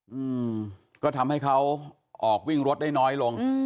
อืมก็ทำให้เขาออกวิ่งรถได้น้อยลงอืม